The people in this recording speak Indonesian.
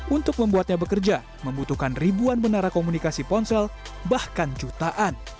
untuk membuatnya bekerja membutuhkan ribuan menara komunikasi ponsel bahkan jutaan